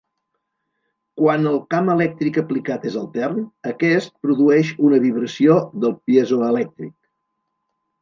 Quan el camp elèctric aplicat és altern, aquest produeix una vibració del piezoelèctric.